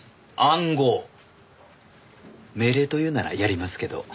命令というならやりますけど。